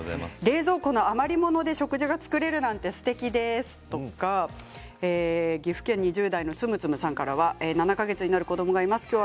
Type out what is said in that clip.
冷蔵庫の余り物で食事を作ることができるなんてすてきですとか岐阜県２０代の方は７か月になる子どもがいます。